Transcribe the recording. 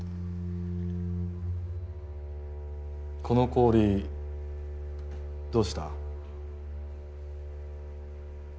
この氷どうした？